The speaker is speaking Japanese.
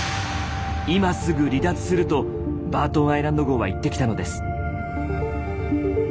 今すぐ離脱する」と「バートンアイランド号」は言ってきたのです。